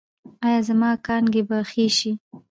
ایا زما کانګې به ښې شي؟